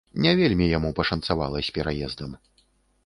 Не вельмі яму пашанцавала з пераездам.